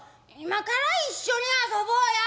「今から一緒に遊ぼうや」。